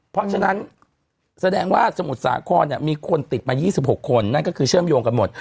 เพราะฉะนั้นแสดงว่าสมุทรสาครมีคนติดมา๒๖คนนั่นก็คือเชื่อมโยงกันหมด